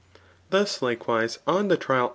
Thus, likewise, on the trial .